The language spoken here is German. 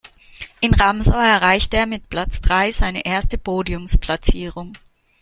In Ramsau erreichte er mit Platz drei seine erste Podiumsplatzierung.